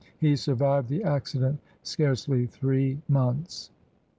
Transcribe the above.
He survived the accident scarcely three months.